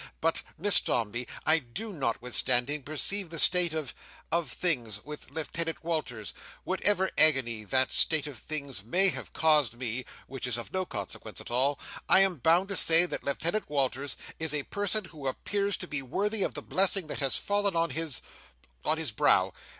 But, Miss Dombey, I do, notwithstanding, perceive the state of—of things—with Lieutenant Walters. Whatever agony that state of things may have caused me (which is of no consequence at all), I am bound to say, that Lieutenant Walters is a person who appears to be worthy of the blessing that has fallen on his—on his brow.